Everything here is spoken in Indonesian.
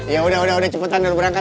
yaudah udah cepetan dulu berangkat